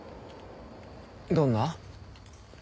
どんな？